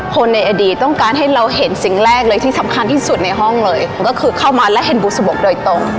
ในอดีตต้องการให้เราเห็นสิ่งแรกเลยที่สำคัญที่สุดในห้องเลยก็คือเข้ามาและเห็นบุษบกโดยตรง